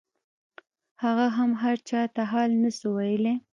هغه هم هرچا ته حال نسو ويلاى.